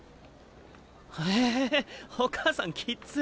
ええお母さんきっつ！